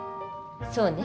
そうね。